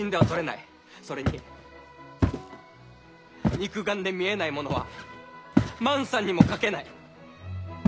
それに肉眼で見えないものは万さんにも描けない！